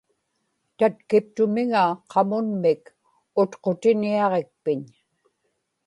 tatkiptumiŋa qamunmik utqutiniaġikpiñ